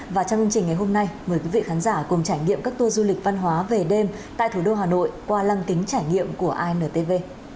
và trong chương trình ngày hôm nay mời quý vị khán giả cùng trải nghiệm các tour du lịch văn hóa về đêm tại thủ đô hà nội qua lăng kính trải nghiệm của intv